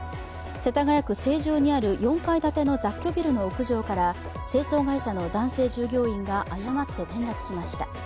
世田谷区成城にある４階建ての雑居ビルの屋上から清掃会社の男性従業員が誤って転落しました。